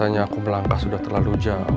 biasanya aku melangkah sudah terlalu jauh